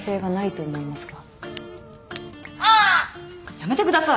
やめてください。